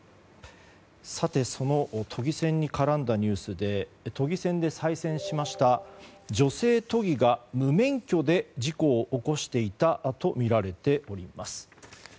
さて、都議選に絡んだニュースで都議選で再選しました女性都議が無免許で事故を起こしていたとみられております。